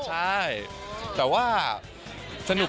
ใช่แต่ว่าสนุก